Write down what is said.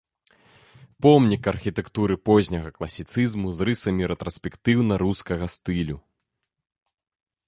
Помнік архітэктуры позняга класіцызму з рысамі рэтраспектыўна-рускага стылю.